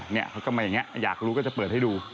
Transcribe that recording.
เขาก็มาอย่างนี้อยากรู้ก็จะเปิดให้ดู